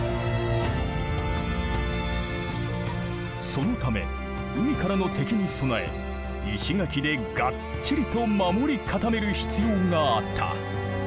そのため海からの敵に備え石垣でがっちりと守り固める必要があった。